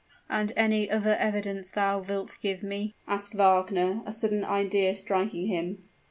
"And any other evidence thou wilt give me?" asked Wagner, a sudden idea striking him.